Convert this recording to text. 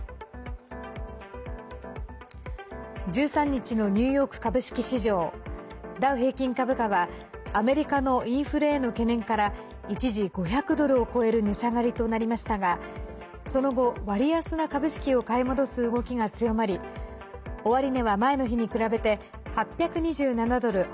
１３日のニューヨーク株式市場ダウ平均株価はアメリカのインフレへの懸念から一時５００ドルを超える値下がりとなりましたがその後、割安な株式を買い戻す動きが強まりました。